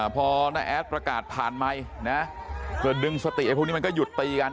พอน้าแอดประกาศผ่านไมค์นะก็ดึงสติไอ้พวกนี้มันก็หยุดตีกัน